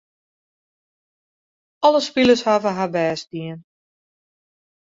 Alle spilers hawwe har bêst dien.